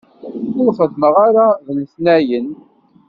Ur xeddmeɣ ara d letnayen.